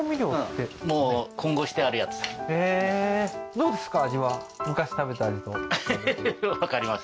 でもどうですか？